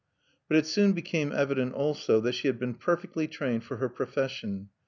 But it soon became evident, also, that she had been perfectly trained for her profession.